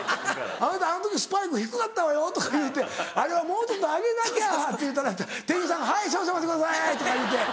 「あなたあの時スパイク低かったわよ」とか言うて「あれはもうちょっと上げなきゃ」って言うたら店員さんが「はい少々お待ちください」とか言うて。